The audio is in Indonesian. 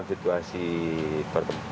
ini untuk apa